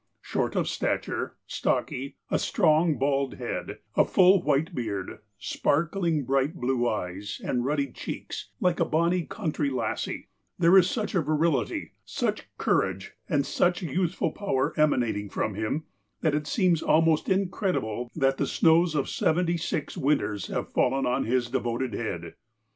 Short of stature,^ stocky,'' a stroug bald head,^ a full, white beard, sparkling, bright, blue eyes, and ruddy cheeks, like a bonny country lassie, — there is such a virility, such courage, and such youthful power emanating from him, that it seems almost incredible that the snows of seventy six winters have fallen on his de voted head.